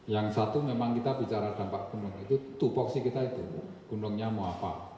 yang satu memang kita bicara dampak gunung itu tupoknya kita itu gunungnya mau apa